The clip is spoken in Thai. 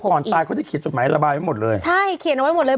ก่อนตายเขาจะเขียนจดหมายระบายไว้หมดเลยใช่เขียนเอาไว้หมดเลย